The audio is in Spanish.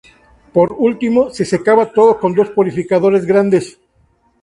Por último, se secaba todo con dos purificadores grandes.